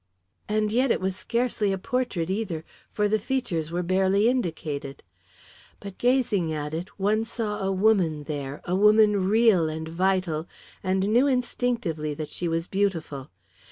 And yet it was scarcely a portrait, either, for the features were barely indicated. But, gazing at it, one saw a woman there a woman real and vital and knew instinctively that she was beautiful.